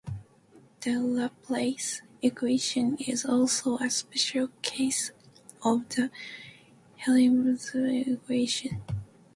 The Laplace equation is also a special case of the Helmholtz equation.